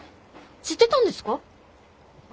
知ってたんですか？